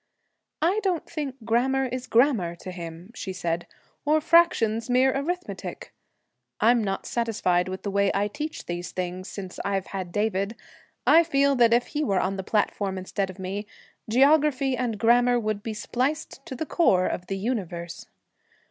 'I don't think grammar is grammar to him,' she said, 'or fractions mere arithmetic. I'm not satisfied with the way I teach these things since I've had David. I feel that if he were on the platform instead of me, geography and grammar would be spliced to the core of the universe.'